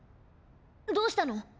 どうしたの？